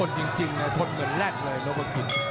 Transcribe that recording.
จริงทนเหมือนแรกเลยนพกิจ